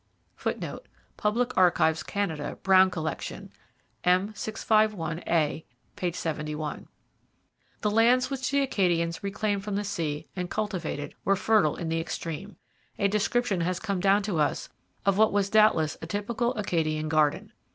[Footnote: Public Archives, Canada, Brown Collection, M 651a, 171.] The lands which the Acadians reclaimed from the sea and cultivated were fertile in the extreme. A description has come down to us of what was doubtless a typical Acadian garden.